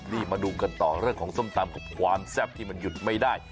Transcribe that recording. นี่มาดูกันต่อเรื่องของส้มตำกับความแซ่บที่มันหยุดไม่ได้